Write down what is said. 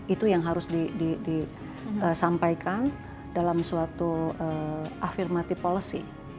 itu yang harus disampaikan dalam suatu afirmatic policy